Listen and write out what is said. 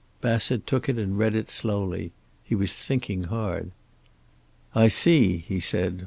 Bassett took it and read it slowly. He was thinking hard. "I see," he said.